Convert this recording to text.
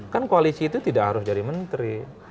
kan koalisi itu tidak harus jadi menteri